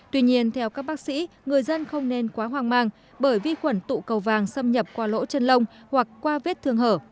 tuy nhiên theo các bác sĩ người dân không nên quá hoang mang bởi vi khuẩn tụ cầu vàng xâm nhập qua lỗ chân lông hoặc qua vết thương hở